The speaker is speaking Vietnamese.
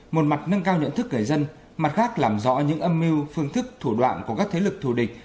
một mặt nâng cao nhận thức người dân mặt khác làm rõ những âm mưu phương thức thủ đoạn của các thế lực thù địch